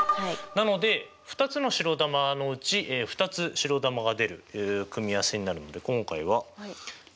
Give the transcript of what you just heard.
なので２つの白球のうち２つ白球が出る組合せになるので今回はＣになります。